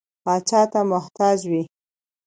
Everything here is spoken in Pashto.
پاچا ته محتاج وي.